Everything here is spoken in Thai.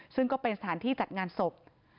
ซึ่งก็เป็นสถานที่จัดงานศพ